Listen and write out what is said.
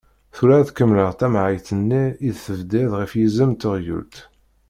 Tura ad kemmleɣ tamɛayt-nni i d-tebdiḍ ɣef yizem d teɣyult.